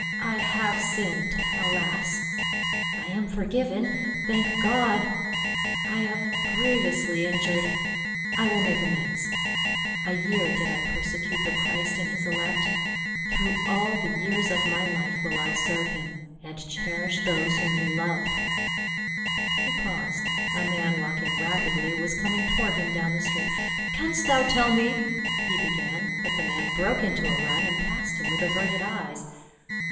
" I have sinned, alas !— I am forgiven, thank God ! I have grievously injured — I will make amends. A year did I persecute the Christ and his elect — through all the 132 PA UL. years of my life will I serve him, and cherish those whom he loved." He paused, a man walking rapidly was coming toward him down the street. " Canst thou tell me —" he began, but the man broke into a run, and passed him with averted eyes.